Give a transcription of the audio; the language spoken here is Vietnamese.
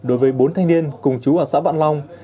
đối với bốn thanh niên cùng chú ở xã vạn long